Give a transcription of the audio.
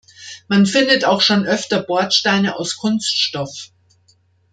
Man findet auch schon öfter Bordsteine aus Kunststoff.